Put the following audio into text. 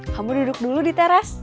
kamu duduk dulu di teras